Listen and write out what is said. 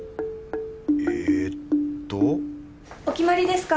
えっとお決まりですか？